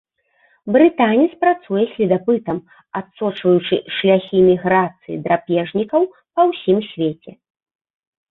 Брытанец працуе следапытам, адсочваючы шляхі міграцыі драпежнікаў па ўсім свеце.